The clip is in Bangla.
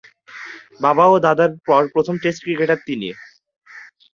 বাবা ও দাদার পর প্রথম টেস্ট ক্রিকেটার তিনি।